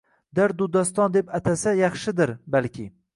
Dardu doston deb atasa yaxshidir, balki